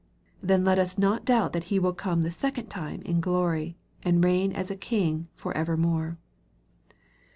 Then let us not doubt that He will come the second time in glory, and reign as a King for evermore.